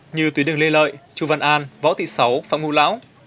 như tuyến đường lê lợi chu văn an võ thị sáu phạm ngũ lão